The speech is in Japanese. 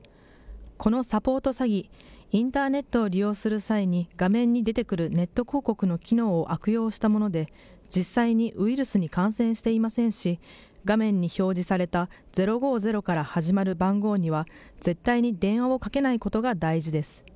このサポート詐欺、インターネットを利用する際に画面に出てくるネット広告の機能を悪用したもので、実際にはウイルスに感染していませんし、画面に表示された０５０から始まる番号には絶対に電話をかけないことが大事です。